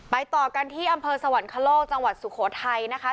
ต่อกันที่อำเภอสวรรคโลกจังหวัดสุโขทัยนะคะ